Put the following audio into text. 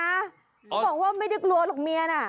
เขาบอกว่าไม่ได้กลัวหรอกเมียน่ะ